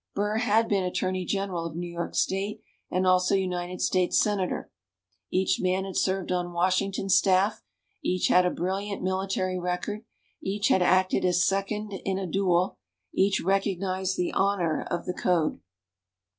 Burr had been Attorney General of New York State and also United States Senator. Each man had served on Washington's staff; each had a brilliant military record; each had acted as second in a duel; each recognized the honor of the code.